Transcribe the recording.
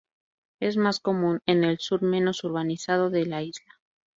Es más común en el sur menos urbanizado de la isla.